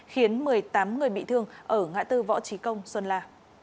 khiến một mươi tám người bị thương ở ngã tư võ trí công sơn la